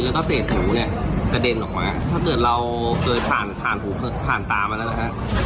แล้วก็เศษหูเนี่ยกระเด็นออกมาถ้าเกิดเราเคยผ่านผ่านหูผ่านตามาแล้วนะฮะ